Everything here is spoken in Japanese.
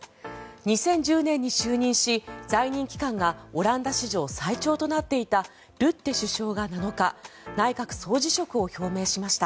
２０１０年に就任し、在任期間がオランダ史上最長となっていたルッテ首相が７日内閣総辞職を表明しました。